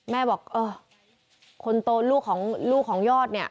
แม่บอกคนโตลูกของยอดเนี่ย